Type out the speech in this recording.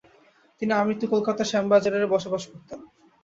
তিনি আমৃত্যু কলকাতার শ্যামবাজারের বসবাস করতেন।